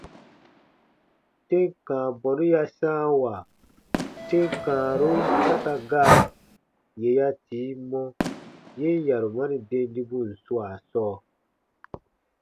Tem kãa bɔnu ya sãawa tem kãarun saka gaa yè ya tii mɔ yen yarumani dendibun swaa sɔɔ.